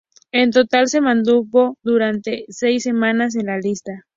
En total se mantuvo durante seis semanas en la lista.